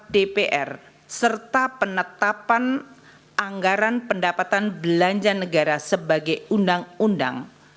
dpr serta penetapan anggaran pendapatan belanja negara sebagai undang undang